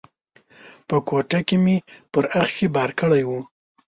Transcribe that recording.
په کوټه کې مې پر اخښي بار کړی و.